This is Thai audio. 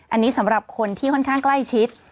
อันนี้สำหรับคนที่ค่อนข้างใกล้ชิด